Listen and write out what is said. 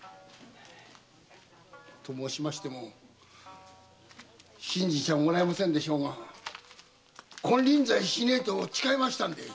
と申しましても信じちゃもらえませんでしょうが金輪際しないと誓いましたんで。